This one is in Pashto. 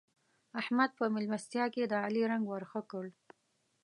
احمد په مېلمستيا کې د علي رنګ ور ښه کړ.